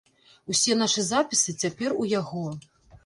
Усе нашы запісы цяпер у яго.